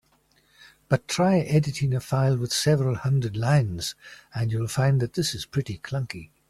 But try editing a file with several hundred lines, and you'll find that this is pretty clunky.